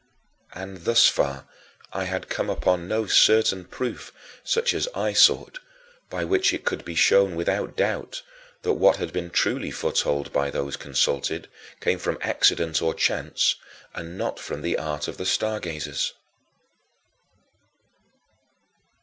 And, thus far, I had come upon no certain proof such as I sought by which it could be shown without doubt that what had been truly foretold by those consulted came from accident or chance, and not from the art of the stargazers.